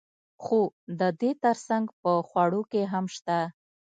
خو د دې ترڅنګ په خوړو کې هم شته.